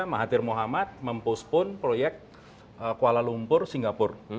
mahathir mohamad mempostpon proyek kuala lumpur singapur